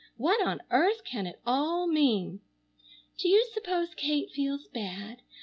What on earth can it all mean? Do you s'pose Kate feels bad?